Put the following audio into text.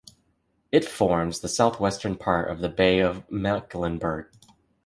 It forms the southwestern part of the Bay of Mecklenburg.